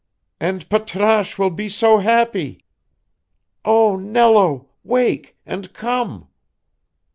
And Patrasche will be so happy! Oh, Nello, wake and come!"